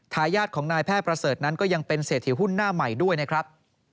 ทายาทของนายแพทย์ประเสริฐนั้นก็ยังเป็นเศรษฐีหุ้นหน้าใหม่ด้วยนะครับ